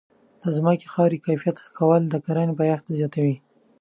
د ځمکې د خاورې کیفیت ښه کول د کرنې پایښت زیاتوي.